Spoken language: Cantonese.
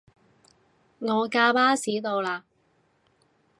我架巴士到喇